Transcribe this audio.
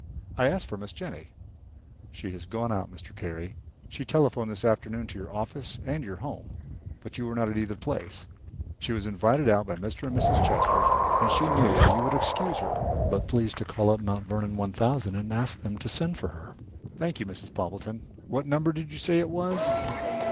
"I asked for Miss Jennie." "She has gone out, Mr. Carey. She telephoned this afternoon to your office and your home, but you were not at either place. She was invited out by Mr. and Mrs. Chester, and said she knew you would excuse her, but please to call up Mount Vernon one thousand and ask them to send for her." "Thank you, Mrs. Poppleton. What number did you say it was?"